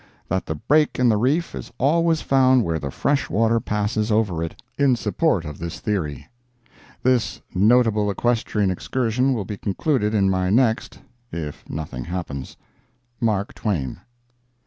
that the break in the reef is always found where the fresh water passes over it, in support of this theory. [This notable equestrian excursion will be concluded in my next, if nothing happens.] MARK TWAIN.